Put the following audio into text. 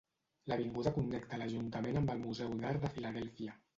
L'avinguda connecta l'ajuntament amb el Museu d'Art de Filadèlfia.